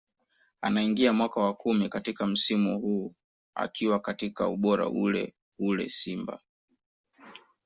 Anaingia mwaka wa kumi katika msimu huu akiwa katika ubora ule ule Simba